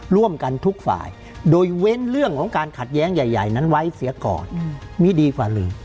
ร่วมกันทุกฝ่ายโดยเว้นเรื่องของการขัดแย้งใหญ่นั้นไว้เสียก่อนมีดีกว่าหนึ่ง